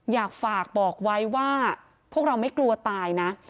อยากฝากบอกไว้ว่าพวกเราไม่กลัวตายนะ